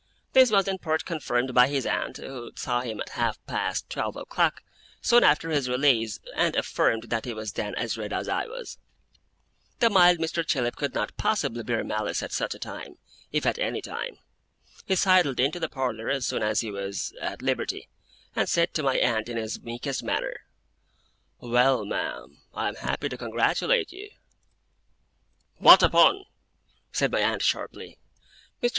This was in part confirmed by his aunt, who saw him at half past twelve o'clock, soon after his release, and affirmed that he was then as red as I was. The mild Mr. Chillip could not possibly bear malice at such a time, if at any time. He sidled into the parlour as soon as he was at liberty, and said to my aunt in his meekest manner: 'Well, ma'am, I am happy to congratulate you.' 'What upon?' said my aunt, sharply. Mr.